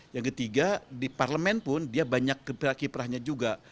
yang ketiga di parlemen pun dia banyak kiprahnya juga